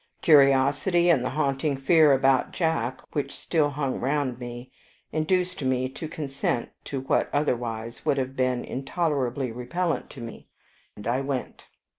Curiosity, and the haunting fear about Jack, which still hung round me, induced me to consent to what otherwise would have been intolerably repellent to me, and I went.